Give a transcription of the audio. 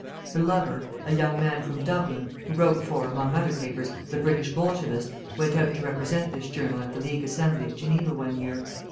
Her lover, a young man from Dublin, who wrote for, among other papers, the British Bolshevist, went out to represent this journal at the League Assembly at Geneva one year.